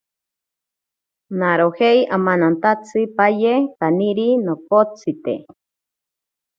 Narojeiki amanantantsipaye kaniri nokotsite.